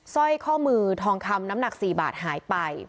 สร้อยข้อมือทองคำน้ำหนัก๔บาทหายไป